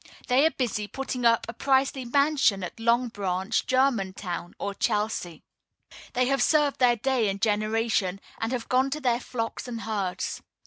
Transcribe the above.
They are busy putting up a princely mansion at Long Branch, Germantown, or Chelsea. They have served their day and generation, and have gone to their flocks and herds.